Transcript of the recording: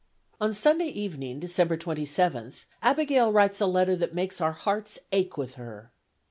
On Sunday evening, December 27th, Abigail writes a letter that makes our hearts ache with her.